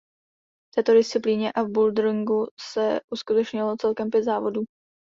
V této disciplíně a v boulderingu se uskutečnilo celkem pět závodů.